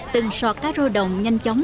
từng sọ cá rô đồng nhanh chóng